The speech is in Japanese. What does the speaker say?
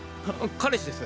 彼氏です。